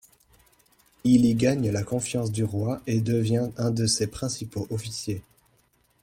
Il y gagne la confiance du roi et devient un de ses principaux officiers.